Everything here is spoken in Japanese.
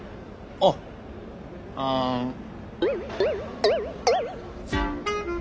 あっあん。